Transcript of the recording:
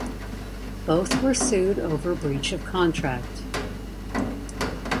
Both were sued over breach of contract.